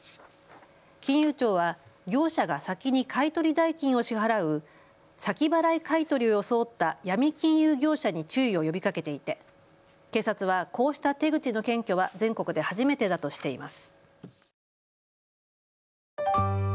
金融庁は業者が先に買い取り代金を支払う先払い買い取りを装ったヤミ金融業者に注意を呼びかけていて警察はこうした手口の検挙は全国で初めてだとしています。